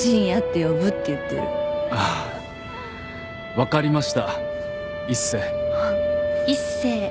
わかりました一星。